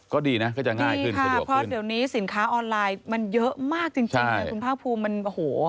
ก็ดีนะก็จะง่ายขึ้นค่ะเพราะเดี๋ยวนี้สินค้าออนไลน์มันเยอะมากจริงเลยคุณภาคภูมิมันโอ้โห